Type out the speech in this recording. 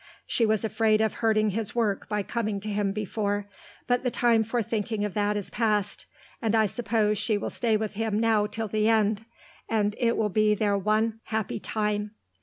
She was afraid of hurting his work by coming to him before; but the time for thinking of that is past, and I suppose she will stay with him now till the end, and it will be their one happy time.